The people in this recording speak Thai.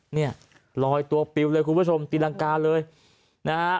เนี่ยลอยตัวปิวเลยคุณผู้ชมตีรังกาเลยนะฮะ